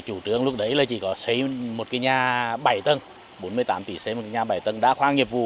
chủ trương lúc đấy chỉ có xây một cái nhà bảy tầng bốn mươi tám tỷ xây một cái nhà bảy tầng đã khoan nhiệm vụ